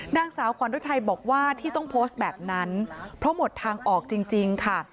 นางสาวขวัญฤทัยบอกว่าที่ต้องโพสต์แบบนั้นเพราะหมดทางออกจริงค่ะ